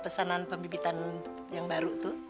pesanan pembibitan yang baru itu